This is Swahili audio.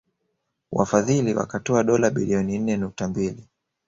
Wafadhili wakatoa dola bilioni nne nukta mbili